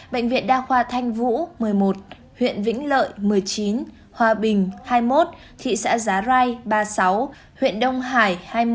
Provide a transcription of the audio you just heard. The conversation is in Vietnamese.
bệnh viện đa khoa thanh vũ một mươi một huyện vĩnh lợi một mươi chín hòa bình hai mươi một thị xã giá rai ba mươi sáu huyện đông hải